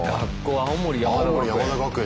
青森山田学園。